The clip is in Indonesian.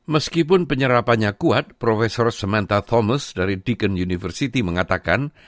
meskipun penyerapannya kuat prof sementara thomas dari deacon university mengatakan